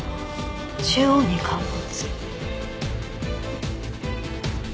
中央に陥没。